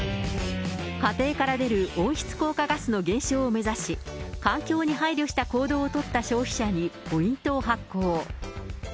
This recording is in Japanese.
家庭から出る温室効果ガスの減少を目指し、環境に配慮した行動を取った消費者にポイントを発行。